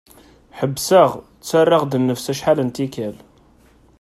Ḥebbseɣ, ttarraɣ-d nnefs acḥal n tikkal.